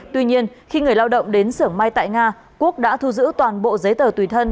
tuy nhiên khi người lao động đến xưởng may tại nga quốc đã thu giữ toàn bộ giấy tờ tùy thân